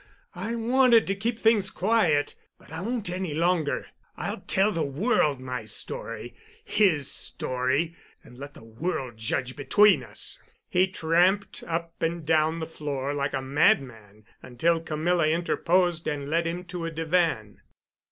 I wanted to keep things quiet—but I won't any longer. I'll tell the world my story—his story, and let the world judge between us." He tramped up and down the floor like a madman until Camilla interposed and led him to a divan.